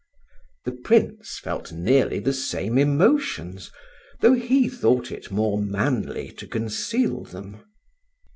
The Prince felt nearly the same emotions, though he thought it more manly to conceal them.